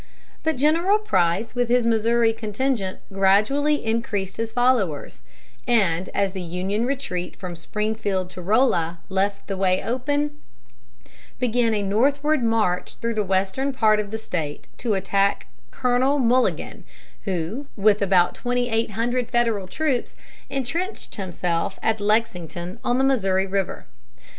But General Price, with his Missouri contingent, gradually increased his followers, and as the Union retreat from Springfield to Rolla left the way open, began a northward march through the western part of the State to attack Colonel Mulligan, who, with about twenty eight hundred Federal troops, intrenched himself at Lexington on the Missouri River.